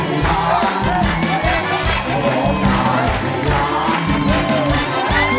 ตอนนี้รับแล้วค่ะ